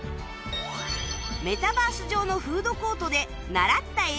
メタバース上のフードコートで習った英語を実践